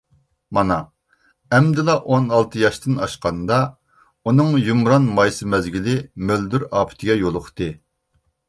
مانا ئەمدىلا ئون ئالتە ياشتىن ئاشقاندا، ئۇنىڭ يۇمران مايسا مەزگىلى مۆلدۈر ئاپىتىگە يولۇقتى.